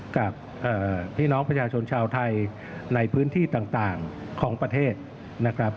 กับพี่น้องประชาชนชาวไทยในพื้นที่ต่างของประเทศนะครับ